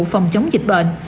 phòng chống dịch bệnh